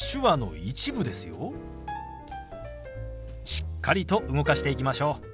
しっかりと動かしていきましょう。